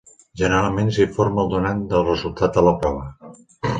Generalment s'informa el donant del resultat de la prova.